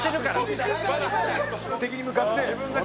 「敵に向かって」